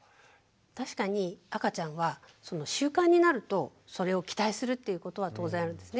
確かに赤ちゃんは習慣になるとそれを期待するっていうことは当然あるんですね。